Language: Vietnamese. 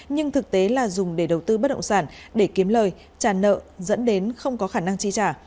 nhưng thực tế là dùng để đầu tư bất động sản để kiếm lời trả nợ dẫn đến không có khả năng chi trả